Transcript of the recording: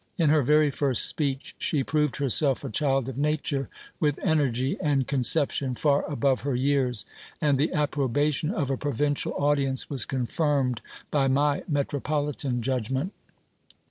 In her very first speech she proved herself a child of nature, with energy and concep tion far above her years ; and the approbation of a provincial audience was confirmed by my metropolitan judgment.